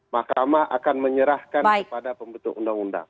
mahkamah akan menyerahkan kepada pembentuk undang undang